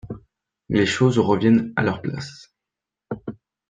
Les choses reviennent à leur place.